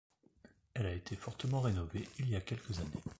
Elle a été fortement rénovée il y a quelques années.